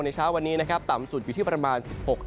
เช้าวันนี้นะครับต่ำสุดอยู่ที่ประมาณ๑๖